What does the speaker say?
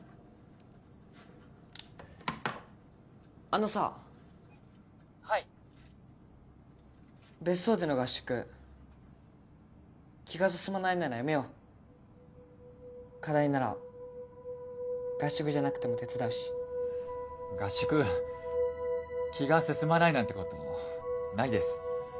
あのさはい別荘での合宿気が進まないならやめよう課題なら合宿じゃなくても手伝うし合宿気が進まないなんてことないです